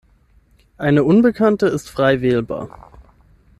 Eine Unbekannte ist frei wählbar.